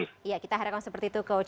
iya kita harapkan seperti itu coach